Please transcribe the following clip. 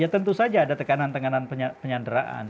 ya tentu saja ada tekanan tekanan penyanderaan